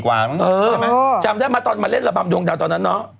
กว่าเออเออจำได้มาตอนมาเล่นระบำดวงดาวตอนนั้นเนอะ